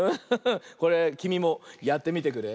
これきみもやってみてくれ。